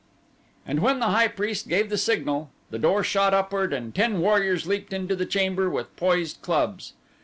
And then the high priest gave the signal the door shot upward and ten warriors leaped into the chamber with poised clubs.